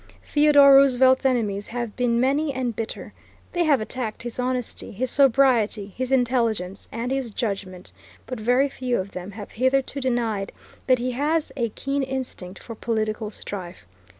Theodore Roosevelt's enemies have been many and bitter. They have attacked his honesty, his sobriety, his intelligence, and his judgment, but very few of them have hitherto denied that he has a keen instinct for political strife.